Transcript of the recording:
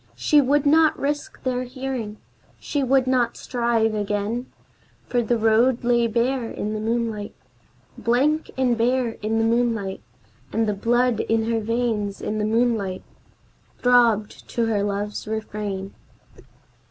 She would not risk their hearing, she would not strive again, For the road lay bare in the moonlight, Blank and bare in the moonlight, And the blood in her veins, in the moonlight, throbbed to her love's refrain.